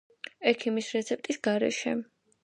ექიმის რეცეპტის გარეშე!